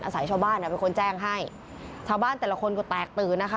ใส่ชาวบ้านอ่ะเป็นคนแจ้งให้ชาวบ้านแต่ละคนก็แตกตื่นนะคะ